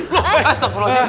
loh kepala aja